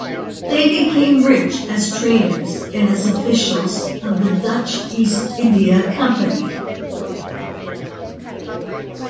They became rich as traders and as officials of the Dutch East India Company.